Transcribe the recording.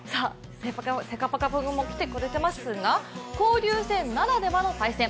セカパカくんも来てくれていますが交流戦ならではの対戦。